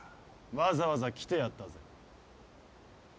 わざわざ来てやったぜ。